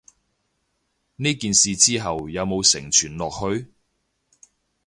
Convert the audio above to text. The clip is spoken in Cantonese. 呢件事之後有無承傳落去？